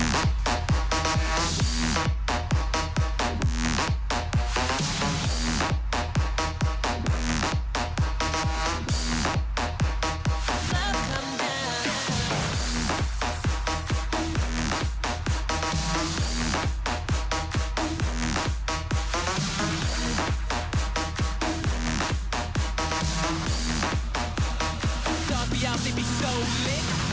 สวัสดีครับทุกคน